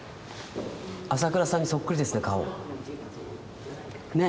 朝倉さんにそっくりですね顔。ね？